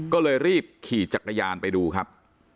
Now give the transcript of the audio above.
ก็เลยรีบขี่จักรยานไปดูครับ